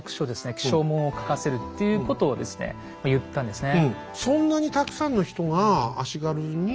起請文を書かせるっていうことを言ったんですね。